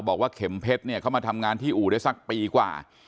บอกว่าเข็มเพชรเนี่ยเขามาทำงานที่อู่ได้สักปีกว่า